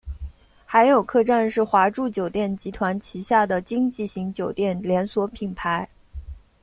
海友客栈是华住酒店集团旗下的经济型酒店连锁品牌。